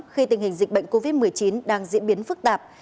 khi tình hình dịch bệnh covid một mươi chín đang diễn biến phức tạp